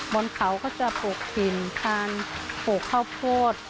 บนเขาก็จะปลูกหินปลูกข้าวพวด